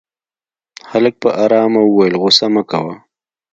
هلک په آرامه وويل غوسه مه کوه.